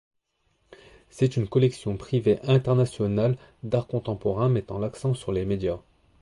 C'est une collection privée internationale d'art contemporain mettant l'accent sur les médias.